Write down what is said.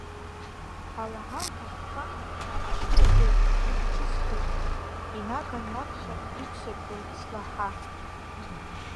Алаҳа лҭаххан ачымазаҩ, иҿысхит, инаган лаԥхьа иқәсыргылт слаҳа.